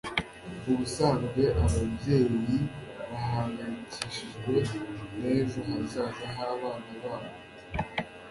ubusanzwe ababyeyi bahangayikishijwe n'ejo hazaza h'abana babo